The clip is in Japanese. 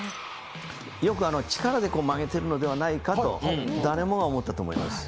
よく力で曲げているのではないかと誰もが思ったと思います。